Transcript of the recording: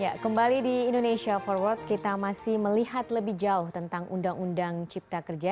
ya kembali di indonesia forward kita masih melihat lebih jauh tentang undang undang cipta kerja